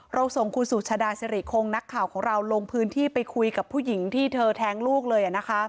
ส่งคุณสุชาดาสิริคงนักข่าวของเราลงพื้นที่ไปคุยกับผู้หญิงที่เธอแท้งลูกเลย